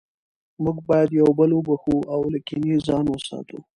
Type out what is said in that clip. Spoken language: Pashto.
موږ باید یو بل وبخښو او له کینې ځان وساتو